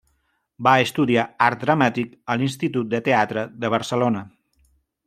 Va estudiar art dramàtic a l'Institut del Teatre de Barcelona.